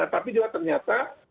tapi juga ternyata